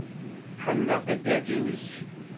Ḥemmleɣ taddart-nnek.